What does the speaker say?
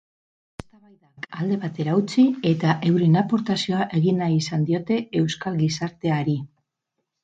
Eztabaidak alde batera utzi eta euren aportazioa egin nahi izan diote euskal gizarteari.